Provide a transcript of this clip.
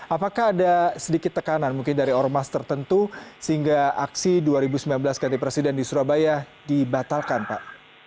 apakah ada sedikit tekanan mungkin dari ormas tertentu sehingga aksi dua ribu sembilan belas ganti presiden di surabaya dibatalkan pak